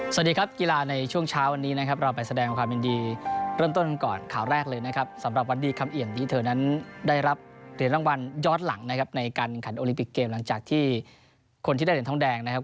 สวัสดีครับกีฬาในช่วงเช้าวันนี้นะครับเราไปแสดงความยินดีเริ่มต้นก่อนข่าวแรกเลยนะครับสำหรับวันดีคำเอี่ยมที่เธอนั้นได้รับเหรียญรางวัลย้อนหลังนะครับในการขันโอลิมปิกเกมหลังจากที่คนที่ได้เหรียญทองแดงนะครับ